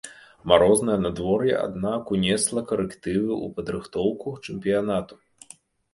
Марознае надвор'е аднак унесла карэктывы ў падрыхтоўку чэмпіянату.